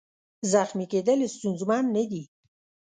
زخمي کېدل ستونزمن نه دي.